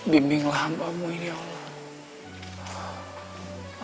bimbinglah hambamu ini allah